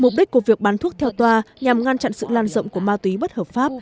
mục đích của việc bán thuốc theo toa nhằm ngăn chặn sự lan rộng của ma túy bất hợp pháp